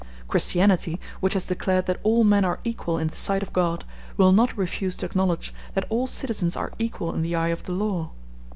Christianity, which has declared that all men are equal in the sight of God, will not refuse to acknowledge that all citizens are equal in the eye of the law.